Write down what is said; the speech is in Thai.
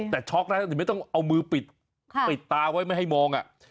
แต่ช็อกนะอย่าต้องเอามือปิดตาไว้ไม่ให้มองอ่ะ